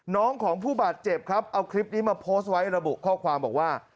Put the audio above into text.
ของผู้บาดเจ็บครับเอาคลิปนี้มาโพสต์ไว้ระบุข้อความบอกว่า